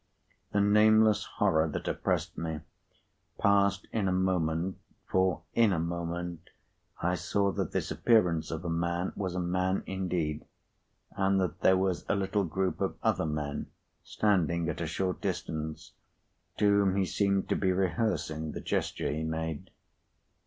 The nameless horror that oppressed me, passed in a moment, for in a moment I saw that this appearance of a man was a man indeed, and that there was a little group of other men standing at a short distance, to whom he seemed to be rehearsing the gesture he made.